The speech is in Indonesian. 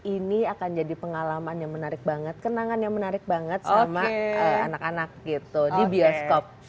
ini akan jadi pengalaman yang menarik banget kenangan yang menarik banget sama anak anak gitu di bioskop